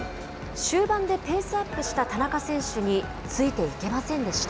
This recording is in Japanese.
終盤でペースアップした田中選手についていけませんでした。